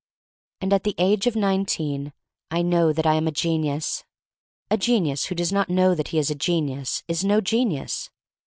And at the age of nineteen I know that I am a genius. A genius who does not know that he is a genius is no genius.